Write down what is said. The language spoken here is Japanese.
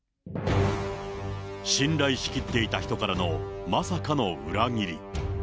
信頼しきっていた人からのまさかの裏切り。